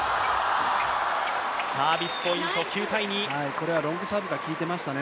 これはロングサーブが効いてましたね。